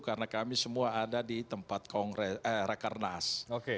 karena kami semua ada di tempat kongres